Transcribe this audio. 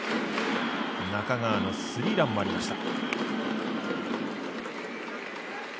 中川のスリーランもありました。